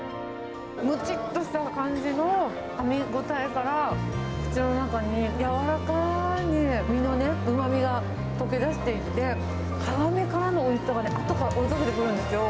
むちっとした感じのかみ応えから、口の中に柔らかい身のね、うまみが溶け出していって、皮目からのおいしさがね、あとから追いかけてくるんですよ。